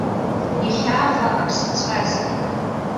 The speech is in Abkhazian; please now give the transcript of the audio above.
Ихьааха ак сыцрасит.